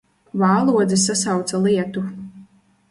Vālodze sasauca lietu.